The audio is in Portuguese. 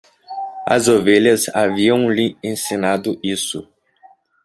As ovelhas haviam lhe ensinado isso.